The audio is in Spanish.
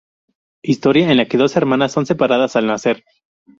Historia en la que dos hermanas son separadas al nacer.